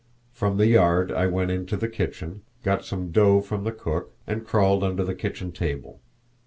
From the yard I went into the kitchen, got some dough from the cook, and crawled under the kitchen table.